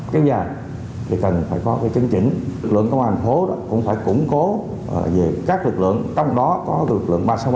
kéo dài thì cần phải có cái chứng chỉnh lực lượng công an thành phố đó cũng phải củng cố về các lực lượng trong đó có lực lượng ba trăm sáu mươi